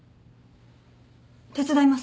手伝います。